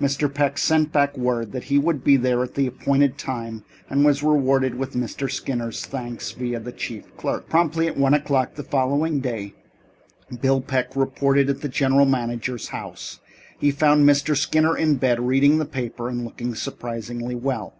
Mr. Peck sent back word that he would be there at the appointed time and was rewarded with Mr. Skinner's thanks, via the chief clerk. Promptly at one o'clock the following day, Bill Peck reported at the general manager's house. He found Mr. Skinner in bed, reading the paper and looking surprisingly well.